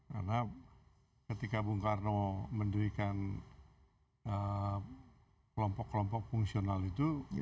karena ketika bung karno mendirikan kelompok kelompok fungsional itu